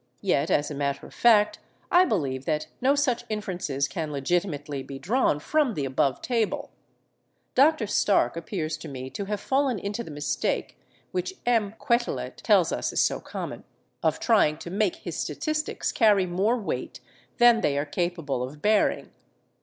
Yet, as a matter of fact, I believe that no such inferences can legitimately be drawn from the above table. Dr. Stark appears to me to have fallen into the mistake, which M. Quetelet tells us is so common, of trying to make his statistics carry more weight than they are capable of bearing.